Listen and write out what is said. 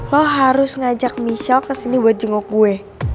lo harus ngajak michelle kesini buat jengok gue